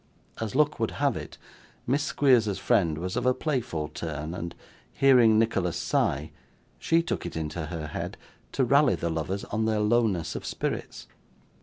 As luck would have it, Miss Squeers's friend was of a playful turn, and hearing Nicholas sigh, she took it into her head to rally the lovers on their lowness of spirits.